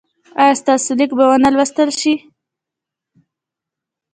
ایا ستاسو لیک به و نه لوستل شي؟